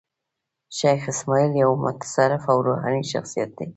شېخ اسماعیل یو متصوف او روحاني شخصیت دﺉ.